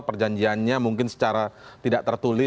perjanjiannya mungkin secara tidak tertulis